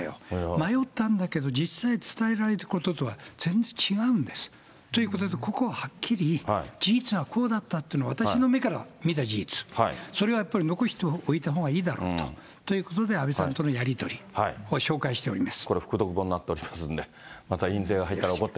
迷ったんだけど実際伝えられたこととは全然違うんです。ということで、ここははっきり事実はこうだったっていうの、私の目から見た事実、それをやっぱり残しておいたほうがいいだろうということで安倍さんとのやり取りを紹介しております。